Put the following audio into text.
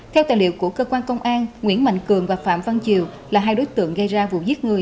theo tài liệu của cơ quan công an nguyễn mạnh cường và phạm văn chiều là hai đối tượng gây ra vụ giết người